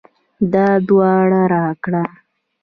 دا دوا راکه.